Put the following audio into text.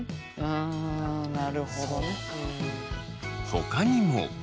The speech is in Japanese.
ほかにも。